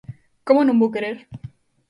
Como non vou querer?!